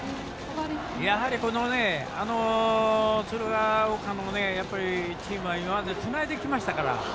やはり、鶴ヶ丘のチームは今まで、つないできましたから。